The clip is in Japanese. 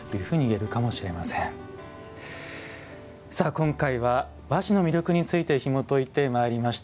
今回は和紙の魅力についてひもといてまいりました。